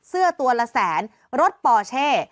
เสื้อตัวละแสนรถปอเช่